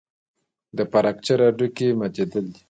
د فراکچر هډوکی ماتېدل دي.